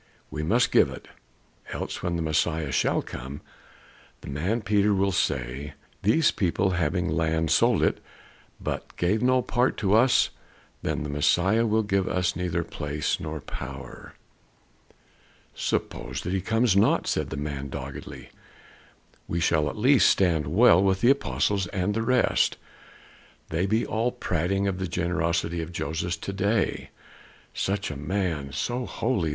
"We must give it, else when the Messiah shall come, the man Peter will say, 'These people having land sold it, but gave no part to us;' then the Messiah will give us neither place nor power." "Suppose he comes not?" said the man doggedly. "We shall at least stand well with the apostles and the rest. They be all prating of the generosity of Joses to day. 'Such a man! So holy!